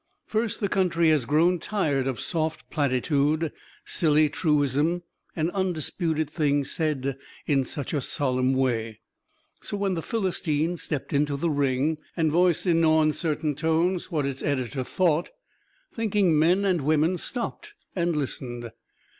First, the country has grown tired of soft platitude, silly truism and undisputed things said in such a solemn way. So when "The Philistine" stepped into the ring and voiced in no uncertain tones what its editor thought, thinking men and women stopped and listened.